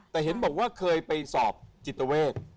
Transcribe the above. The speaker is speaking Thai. แต่เห็นบอกว่าเคยไปสอบจิตเวท